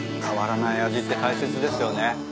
変わらない味って大切ですよね。